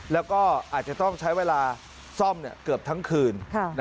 แล้วก็อาจจะต้องใช้เวลาซ่อมเกือบทั้งคืน